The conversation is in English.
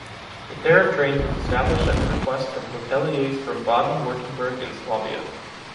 The pair of trains was established at the request from hoteliers from Baden-Württemberg and Swabia.